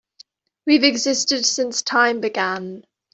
We've existed since time began.